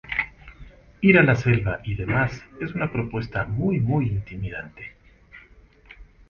Ir a la selva y demás es una propuesta muy muy intimidante.